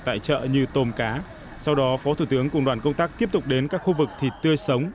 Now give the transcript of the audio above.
tại chợ như tôm cá sau đó phó thủ tướng cùng đoàn công tác tiếp tục đến các khu vực thịt tươi sống